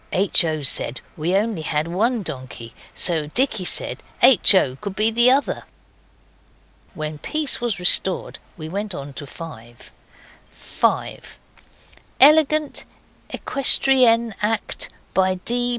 (H. O. said we had only one donkey, so Dicky said H. O. could be the other. When peace was restored we went on to 5.) 5. Elegant equestrian act by D.